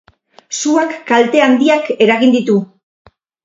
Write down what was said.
Suak kalte handiak eragin ditu.